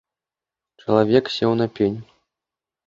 Чалавек сеў на пень.